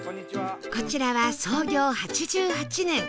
こちらは創業８８年